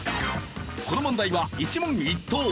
この問題は一問一答。